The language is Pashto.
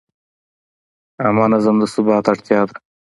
عامه نظم د ثبات اړتیا ده.